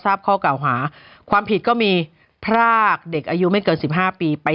ทราบข้อเก่าหาความผิดก็มีพรากเด็กอายุไม่เกินสิบห้าปีไป